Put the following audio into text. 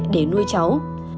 để nuôi cháu